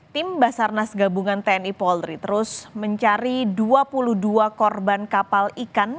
tim basarnas gabungan tni polri terus mencari dua puluh dua korban kapal ikan